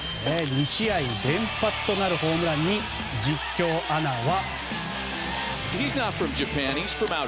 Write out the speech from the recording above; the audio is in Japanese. ２試合連発となるホームランに実況アナは。